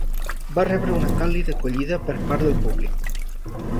Va rebre una càlida acollida per part del públic.